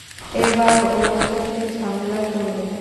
এবার ও সত্যিই ঝামেলায় পড়বে।